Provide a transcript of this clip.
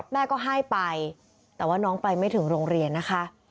แม่ก็ให้ไปแต่ว่าน้องไปไม่ถึงโรงเรียนนะคะ